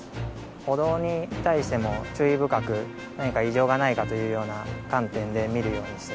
歩道に対しても注意深く何か異常がないかというような観点で見るようにしています。